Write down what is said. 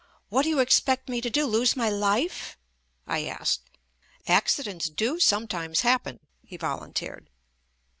"What do you ex pect me to do? Lose my life?" I asked. "Ac cidents do sometimes happen," he volunteered.